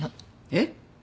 えっ？